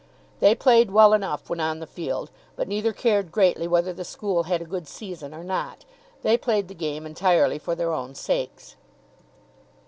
They played well enough when on the field, but neither cared greatly whether the school had a good season or not. They played the game entirely for their own sakes.